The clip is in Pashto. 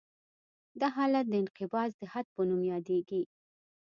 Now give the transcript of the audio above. دا حالت د انقباض د حد په نوم یادیږي